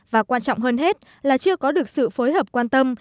và quan trọng hơn hết là chưa có được sự phối hợp quan tâm